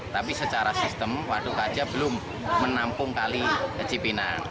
tapi secara sistem waduk kajah belum menampung kali cipinang